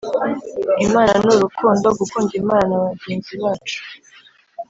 Imana ni urukundo; gukunda Imana na bagenzi bacu